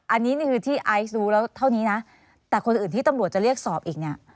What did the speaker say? อันนี้นี่คือที่ไอซ์รู้แล้วเท่านี้นะแต่คนอื่นที่ตำรวจจะเรียกสอบอีกเนี่ย